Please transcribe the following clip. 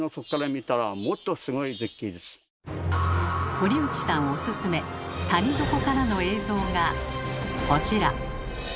堀内さんおすすめ谷底からの映像がこちら。